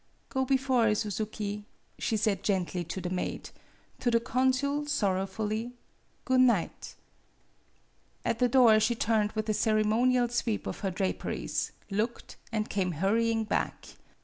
"Go before, Suzuki," she said gently to 66 MADAME BUTTERFLY the maid; to the consul, sorrowfully, " Goon night." At the door she turned with a ceremonial sweep of her draperies, looked, and came hurrying back.